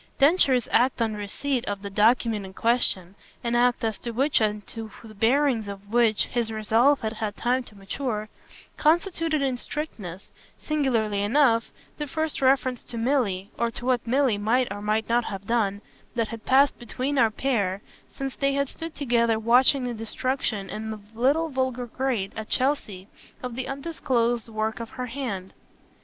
Densher's act on receipt of the document in question an act as to which and to the bearings of which his resolve had had time to mature constituted in strictness, singularly enough, the first reference to Milly, or to what Milly might or might not have done, that had passed between our pair since they had stood together watching the destruction, in the little vulgar grate at Chelsea, of the undisclosed work of her hand.